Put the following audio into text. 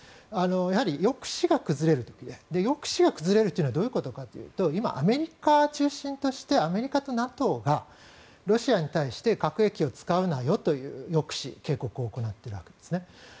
やはり抑止が崩れる時で抑止が崩れるというのはどういうことかというと今、アメリカを中心としてアメリカとＮＡＴＯがロシアに対して核兵器を使うなよという抑止警告を行っているわけですね。